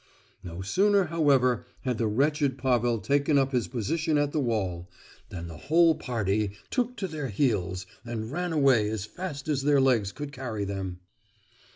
No sooner, however, had the wretched Pavel taken up his position at the wall, than the whole party took to their heels and ran away as fast as their legs could carry them.